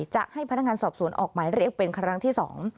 จะให้พนักงานสอบสวนออกหมายเรียกเป็นครั้งที่๒